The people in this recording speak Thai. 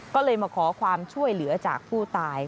ก็เลยมาขอความช่วยเหลือจากผู้ตาย